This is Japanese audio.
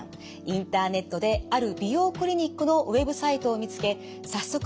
インターネットである美容クリニックのウェブサイトを見つけ早速